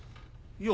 いや。